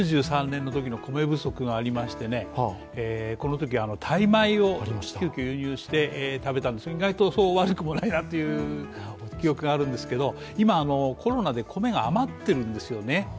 ９３年の米不足がありましてこのときはタイ米を急きょ輸入して食べたんですが、意外とそう悪くもないなという記憶があるんですが今、コロナで米が余ってるんですよね